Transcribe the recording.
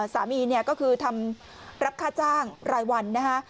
สามีเนี่ยก็คือทำรับค่าจ้างรายวันนะคะ